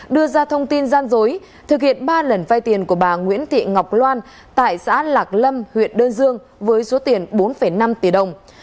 đưa ra thông tin gian dối thực hiện ba lần vay tiền của bà nguyễn thị ngọc loan tại xã lạc lâm huyện đơn dương với số tiền bốn năm tỷ đồng